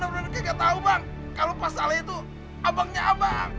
bang kita benar benar gak tahu bang kalau pas salah itu abangnya abang